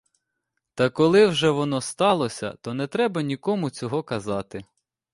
Та коли вже воно сталося, то не треба нікому цього казати.